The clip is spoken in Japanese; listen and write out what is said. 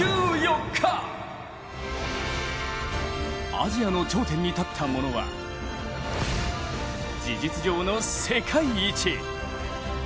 アジアの頂点に立った者は事実上の世界一。